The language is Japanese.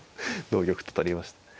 同玉と取りました。